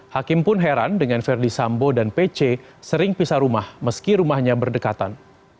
hakim pun heran dengan verdi sambo dan pc sering pisah rumah meski rumahnya berdekatan